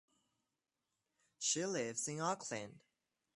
She lives in Auckland.